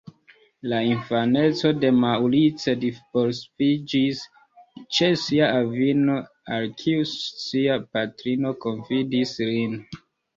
La infaneco de Maurice disvolviĝis ĉe sia avino, al kiu sia patrino konfidis lin.